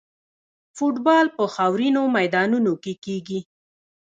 فوټبال په خاورینو میدانونو کې کیږي.